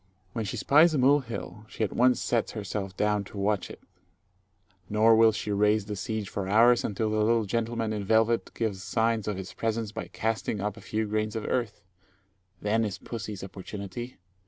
When she spies a mole hill, she at once sets herself down to watch it; nor will she raise the siege for hours, until the little gentleman in velvet gives signs of his presence by casting up a few grains of earth. Then is pussy's opportunity.